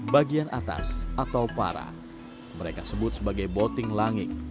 bagian atas atau para mereka sebut sebagai boting langit